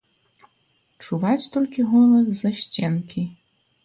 Чуваць толькі голас з-за сценкі.